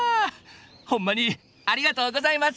ほんまにありがとうございます！